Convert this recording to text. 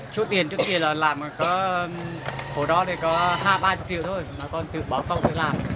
số tiền trước kia là làm hổ đó có hai mươi ba mươi triệu thôi bà con tự bỏ cầu tự làm